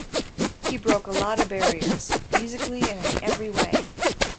He broke a lot of barriers, musically and in every way.